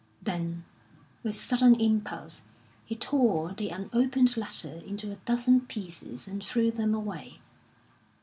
Then, with sudden impulse, he tore the unopened letter into a dozen pieces and threw them away.